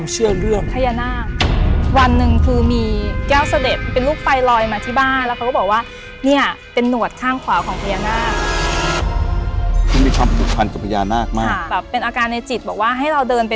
ชีวิตของคุณเปลี่ยนไป